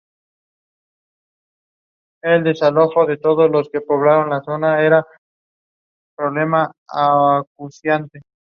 Se cree que la película es el único registro filmado de su icónica representación.